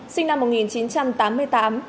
sinh năm một nghìn chín trăm tám mươi tám